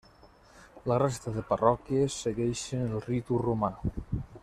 La resta de parròquies segueixen el ritu romà.